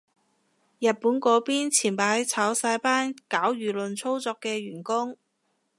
日本嗰邊前排炒晒班搞輿論操作嘅員工